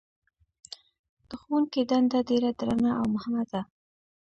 د ښوونکي دنده ډېره درنه او مهمه ده.